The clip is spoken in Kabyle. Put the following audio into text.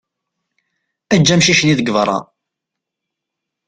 Eǧǧ amcic-nni deg berra.